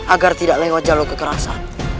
agar tidak lewat jalur kekerasan